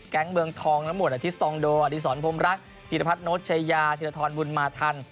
แก๊งเมืองทองน้ำหมวดอาทิสตรองโดอดีตสอนพรมรักธิริพัฒนโนชยาธิริทรทรบุญมาทัน